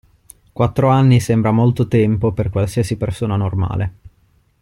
Quattro anni sembra molto tempo per qualsiasi persona normale.